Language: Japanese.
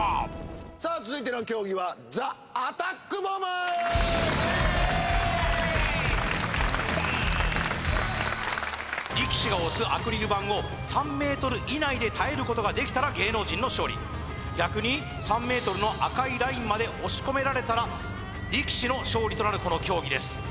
さあ続いての競技はザ・アタックボム力士が押すアクリル板を３ｍ以内で耐えることができたら芸能人の勝利逆に３ｍの赤いラインまで押し込められたら力士の勝利となるこの競技です